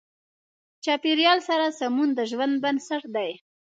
چاپېریال سره سمون د ژوند بنسټ دی.